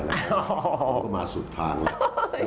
เขาก็มาสุดทางแล้ว